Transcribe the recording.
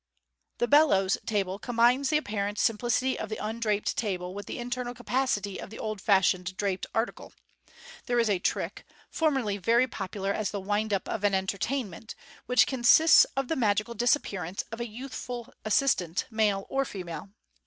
The " bellows' table combines the apparent simplicity of the undraped table with the internal capacity of the old fashioned draped article. There is a trick, formerly very popular as the wind up of an entertainment, which consists of the magical disappearance of a youthful assistant, male or female.